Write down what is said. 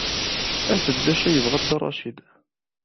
Af-d d acu ay yebɣa Dda Racid.